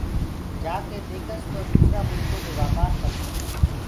جآڪي ديکس تو دوٚسرآ مُلڪو دي وآپآر ڪرڪي